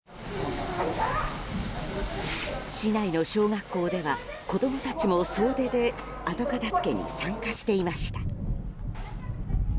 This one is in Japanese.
市内の小学校では子供たちも総出で後片付けに参加していました。